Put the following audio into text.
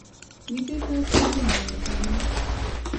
ویده کس خوبونه یادوي